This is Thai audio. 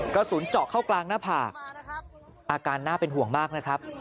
กระสุนเจาะเข้ากลางหน้าผากอาการน่าเป็นห่วงมากนะครับ